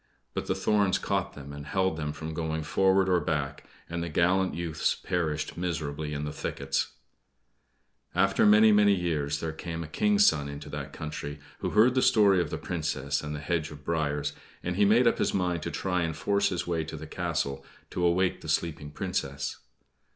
But the thorns caught them, and held them from going forward or back, and the gallant youths perished miserably in the thickets. After many, many years there came a King's son into that country, who heard the story of the Princess and the hedge of briers; and he made up his mind to try and force his way to the castle to awake the sleeping Princess.